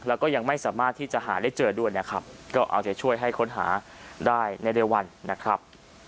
แล้วก็ยังไม่สามารถที่จะหาได้เจอด้วยนะครับก็เอาใจช่วยให้ค้นหาได้ในเร็ววันนะครับ